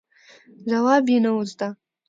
ځواب یې نه و زده.